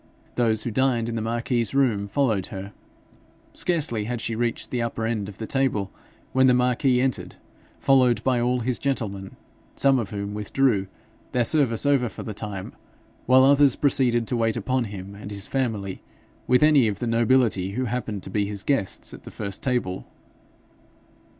Those who dined in the marquis's room followed her. Scarcely had she reached the upper end of the table when the marquis entered, followed by all his gentlemen, some of whom withdrew, their service over for the time, while others proceeded to wait upon him and his family, with any of the nobility who happened to be his guests at the first table.